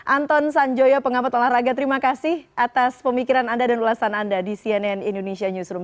anton sanjoyo pengamat olahraga terima kasih atas pemikiran anda dan ulasan anda di cnn indonesia newsroom